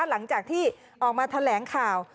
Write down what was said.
หลังจากที่ออกมาแถลงข่าว